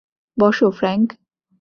বসো, ফ্র্যাঙ্ক।